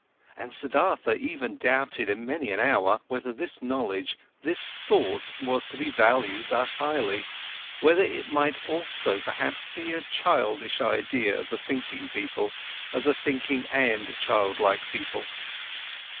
And Siddhartha even doubted in many an hour, whether this knowledge, this thought was to be valued thus highly, whether it might not also perhaps be a childish idea of the thinking people, of the thinking and childlike people.